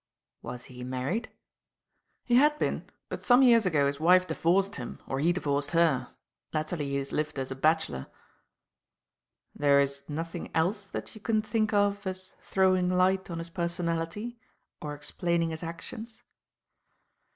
"Was he married?" "He had been; but some years ago his wife divorced him, or he divorced her. Latterly he has lived as a bachelor." "There is nothing else that you can think of as throwing light on his personality or explaining his actions?"